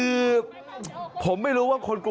คนที่ไม่เข้าแถวจะไม่ได้นะครับ